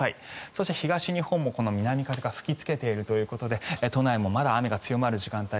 そして東日本も、南風が吹きつけているということで都内もまだ雨が強まる時間帯